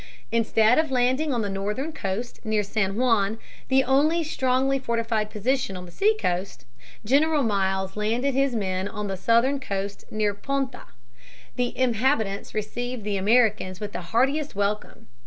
Instead of landing on the northern coast near San Juan, the only strongly fortified position on the seacoast, General Miles landed his men on the southern coast near Ponce (Pon tha). The inhabitants received the Americans with the heartiest welcome.